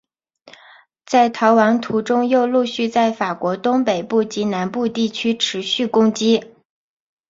在逃亡途中又陆续在法国东北部及南部地区持续攻击。